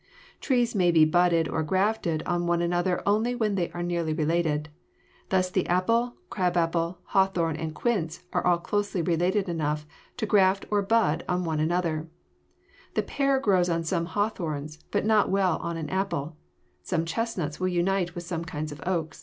Trees may be budded or grafted on one another only when they are nearly related. Thus the apple, crab apple, hawthorn, and quince are all related closely enough to graft or bud on one another; the pear grows on some hawthorns, but not well on an apple; some chestnuts will unite with some kinds of oaks.